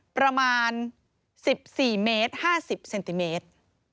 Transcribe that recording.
ประมาณ๑๔เมตร๕๐เซนติเมตร